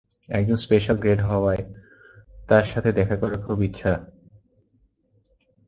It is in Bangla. একজন স্পেশাল গ্রেড হওয়ায়, তার সাথে দেখা করার খুব ইচ্ছা।